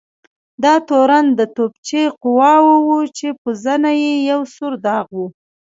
دا تورن د توپچي قواوو و چې پر زنې یې یو سور داغ و.